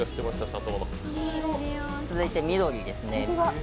続いて緑ですね。